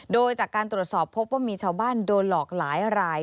โดยจากการตรวจสอบพบว่ามีชาวบ้านโดนหลอกหลายราย